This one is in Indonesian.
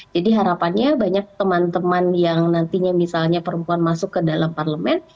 jadi harapannya banyak teman teman yang nantinya misalnya perempuan masuk ke dalam parlemen